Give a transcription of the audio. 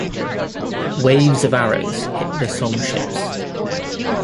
Waves of arrows hit the Song ships.